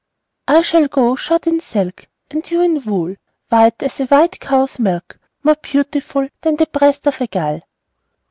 I shall go shod in silk, And you in wool, White as a white cow's milk, More beautiful Than the breast of a gull.